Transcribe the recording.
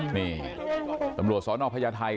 นี่ตำรวจสนพญาไทย